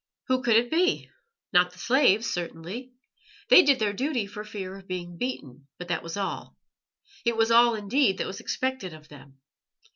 Who could it be? Not the slaves, certainly. They did their duty for fear of being beaten, but that was all. It was all, indeed, that was expected of them.